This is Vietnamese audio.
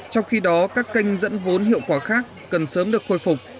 trong khi đó các kênh dẫn vốn hiệu quả khác cần sớm được khôi phục